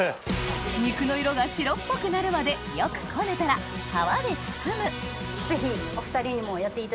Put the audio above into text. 肉の色が白っぽくなるまでよくこねたら皮で包むはいぜひ。